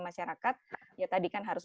masyarakat ya tadi kan harus